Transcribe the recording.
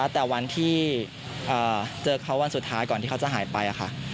แต่วันที่เจอเขาวันสุดท้ายก่อนที่เขาจะหายไปค่ะ